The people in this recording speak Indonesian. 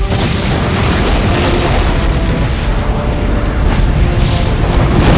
pilih yang menurutmu